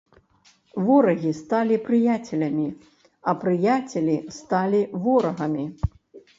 Ворагі сталі прыяцелямі, а прыяцелі сталі ворагамі.